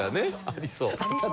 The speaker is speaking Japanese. ありそう。